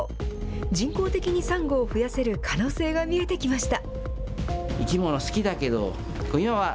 人工的にサンゴを増やせる可能性が見えてきました。